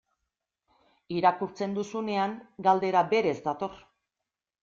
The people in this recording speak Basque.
Irakurtzen duzunean, galdera berez dator.